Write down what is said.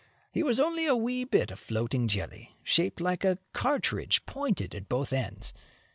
He was only a wee bit of floating jelly, shaped like a cartridge pointed at both ends.